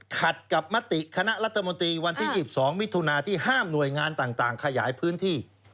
ขัดกับมติคณะรัฐมนตรีวันที่๒๒มิถุนาที่ห้ามหน่วยงานต่างขยายพื้นที่